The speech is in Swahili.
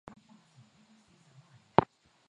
kuna maeneo ambayo yana mbu wengi sana